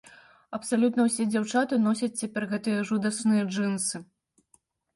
Абсалютна ўсе дзяўчаты носяць цяпер гэтыя жудасныя джынсы.